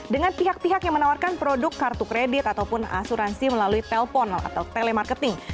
dengan pihak pihak yang menawarkan produk kartu kredit ataupun asuransi melalui telpon atau telemarketing